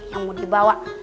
yang mau dibawa